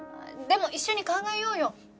でも一緒に考えようよ。